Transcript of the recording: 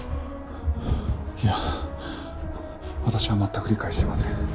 いや私は全く理解していません。